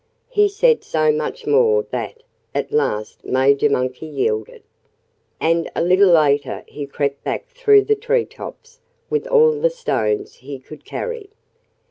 He said so much more that at last Major Monkey yielded. And a little later he crept back through the tree tops with all the stones he could carry.